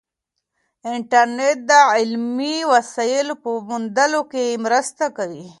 انټرنیټ د علمي وسایلو په موندلو کې مرسته کوي.